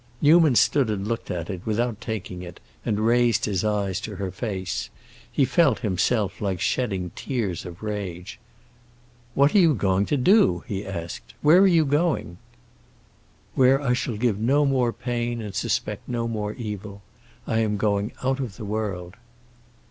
Newman stood and looked at it without taking it, and raised his eyes to her face. He felt, himself, like shedding tears of rage. "What are you going to do?" he asked. "Where are you going?" "Where I shall give no more pain and suspect no more evil. I am going out of the world."